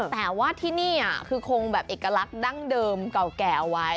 แต่ว่าที่นี่คือคงแบบเอกลักษณ์ดั้งเดิมเก่าแก่เอาไว้